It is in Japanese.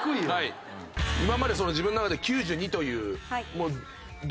今まで自分の中で９２という。